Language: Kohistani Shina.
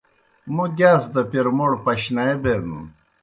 موْ گِیاس دہ پیر موْڑ پشنائے بینَن۔